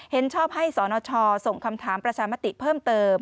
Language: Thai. เห็นชอบให้สนชส่งคำถามประชามติเพิ่มเติม